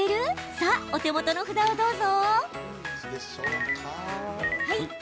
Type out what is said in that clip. さあ、お手元の札をどうぞ。